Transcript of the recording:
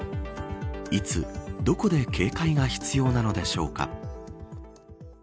いつ、どこで警戒が必要なのでしょうか。